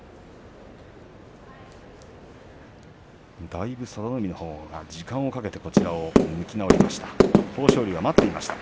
だいぶ佐田の海のほうが時間をかけて向き直りました。